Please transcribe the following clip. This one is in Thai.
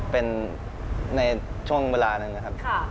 เป็นในช่วงเวลาหนึ่งนะครับ